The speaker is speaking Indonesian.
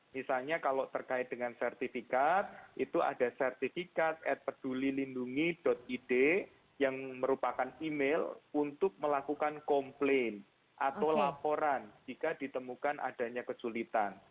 misalnya kalau terkait dengan sertifikat itu ada sertifikat at peduli lindungi id yang merupakan email untuk melakukan komplain atau laporan jika ditemukan adanya kesulitan